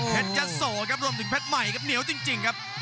ยะโสครับรวมถึงเพชรใหม่ครับเหนียวจริงครับ